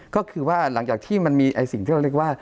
ก็คือว่าหลังจากที่มันมีสิ่งที่เราเรียกว่า